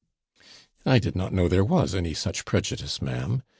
'I did not know there was any such prejudice, ma'am.